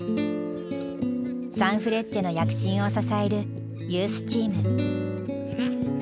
サンフレッチェの躍進を支えるユースチーム。